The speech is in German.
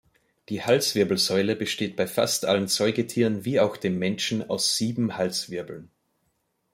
Die Halswirbelsäule besteht bei fast allen Säugetieren wie auch dem Menschen aus sieben Halswirbeln.